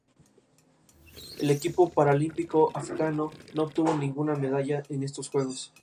La mezquita está en el camino entre El Arish y Bir al-Abed.